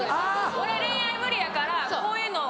「俺恋愛無理やからこういうの」。